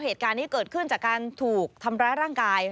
เหตุการณ์นี้เกิดขึ้นจากการถูกทำร้ายร่างกาย